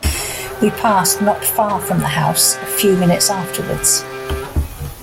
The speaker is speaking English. We passed not far from the house a few minutes afterwards.